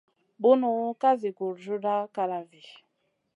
Bunu ka zi gurjuda kalavi.